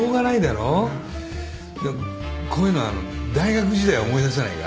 でもこういうのあの大学時代を思い出さないか？